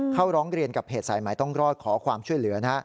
เข้าร้องเรียนกับเพจสายหมายต้องรอดขอความช่วยเหลือนะฮะ